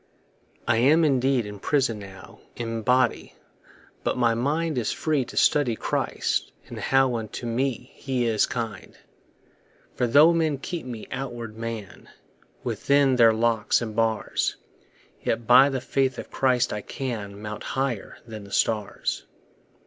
I am indeed in prison now In body, but my mind Is free to study Christ, and how Unto me he is kind. For tho' men keep my outward man Within their locks and bars, Yet by the faith of Christ I can Mount higher than the stars.